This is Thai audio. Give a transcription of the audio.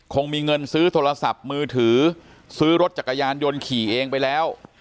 คงมีเงินซื้อโทรศัพท์มือถือซื้อรถจักรยานยนต์ขี่เองไปแล้ว